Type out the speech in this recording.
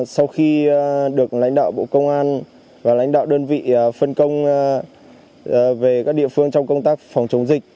sau khi được lãnh đạo bộ công an và lãnh đạo đơn vị phân công về các địa phương trong công tác phòng chống dịch